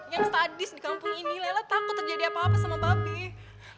yang stadis di kampung ini lela takut terjadi apa apa sama babih